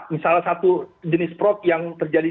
misalnya satu jenis fraud yang terjadi